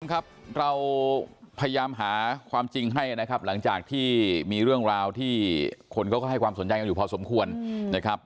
ครับเราพยายามหาความจริงให้นะครับหลังจากที่มีเรื่องราวที่คนเขาก็ให้ความสนใจกันอยู่พอสมควรนะครับ